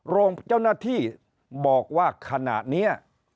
เจ้าหน้าที่บอกว่าขณะนี้